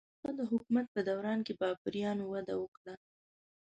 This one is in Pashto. د هغه د حکومت په دوران کې بابریانو وده وکړه.